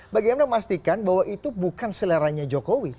bagaimana memastikan bahwa itu bukan seleranya jokowi